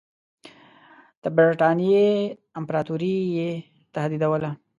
د برټانیې امپراطوري یې تهدیدوله.